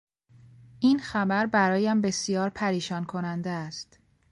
این خبر برایم بسیار پریشان کننده است.